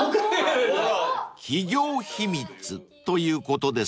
［企業秘密ということですね］